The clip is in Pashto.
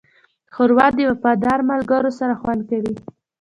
ښوروا د وفادار ملګرو سره خوند کوي.